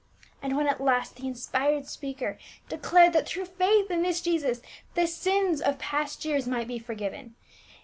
And when at last the inspired speaker declared that through faith in this Jesus the sins of past years might be for eiven.